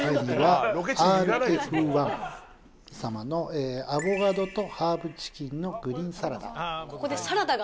第３位はＲＦ１様のアボカドとハーブチキンのグリーンサラダ。